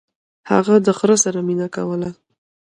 هغه د خر سره مینه کوله.